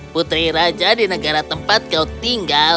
putri raja di negara tempat kau tinggal